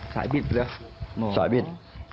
สายบิดไปแล้วสายบิด